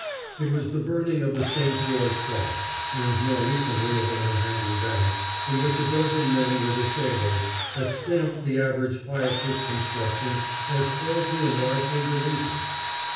It was the burning of the St. George Flats, and more recently of the Manhattan Bank, in which a dozen men were disabled, that stamped the average fire proof construction as faulty and largely delusive.